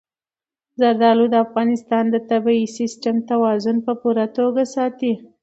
زردالو د افغانستان د طبعي سیسټم توازن په پوره توګه ساتي.